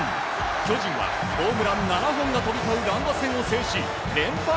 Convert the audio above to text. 巨人はホームラン７本が飛び交う乱打戦を制し連敗